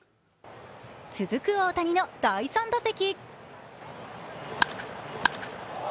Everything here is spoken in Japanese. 続く大谷の第３打席。